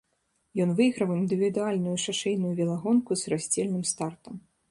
Ён выйграў індывідуальную шашэйную велагонку з раздзельным стартам.